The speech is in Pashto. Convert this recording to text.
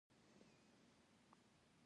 د نیالګي ساتنه تر کینولو مهمه ده؟